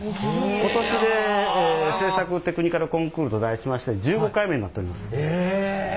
今年で製作テクニカルコンクールと題しまして１５回目になっております。